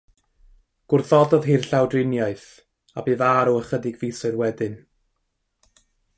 Gwrthododd hi'r llawdriniaeth, a bu farw ychydig fisoedd wedyn.